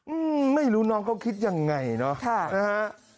อื้มไม่รู้น้องเขาคิดยังไงเนาะ